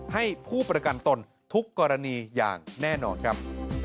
ให้ผู้ประกันตนทุกกรณีอย่างแน่นอนครับ